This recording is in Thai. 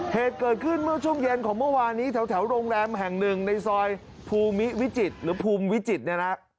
เหตุเกิดขึ้นเมื่อช่วงเย็นของเมื่อวานนี้แถวโรงแรมแห่งหนึ่งในซอยภูมิวิจิตรหรือภูมิวิจิตรเนี่ยนะ